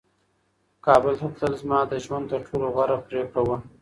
کابل ته تلل زما د ژوند تر ټولو غوره پرېکړه وه.